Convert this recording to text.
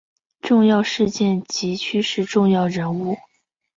重要事件及趋势重要人物